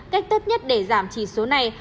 cách tất nhất để giảm chỉ số này